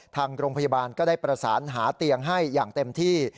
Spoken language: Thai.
ทางโรงพยาบาลก็ได้ประสานหาเตียงให้อย่างเต็มที่